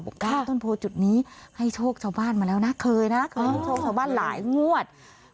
๙ต้นโพจุดนี้ให้โชคชาวบ้านมาแล้วนะเคยนะเคยให้โชคชาวบ้านหลายงวด